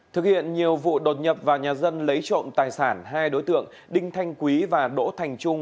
thực hiện nhiều vụ đột nhập vào nhà dân lấy trộm tài sản hai đối tượng đinh thanh quý và đỗ thành trung